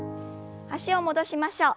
脚を戻しましょう。